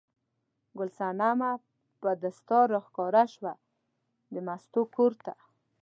ګل صنمه په دستار راښکاره شوه د مستو کور ته.